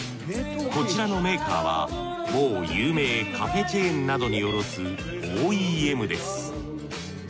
こちらのメーカーは某有名カフェチェーンなどに卸すＯＥＭです。